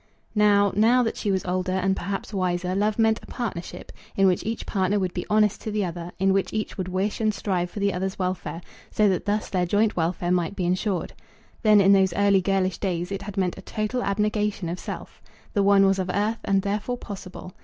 Now, now that she was older and perhaps wiser, love meant a partnership, in which each partner would be honest to the other, in which each would wish and strive for the other's welfare, so that thus their joint welfare might be insured. Then, in those early girlish days, it had meant a total abnegation of self. The one was of earth, and therefore possible.